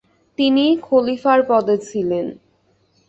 তিনি খলিফার পদে ছিলেন।